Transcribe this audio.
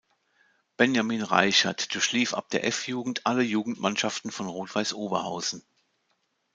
Benjamin Reichert durchlief ab der F-Jugend alle Jugendmannschaften von Rot-Weiß Oberhausen.